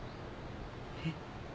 えっ？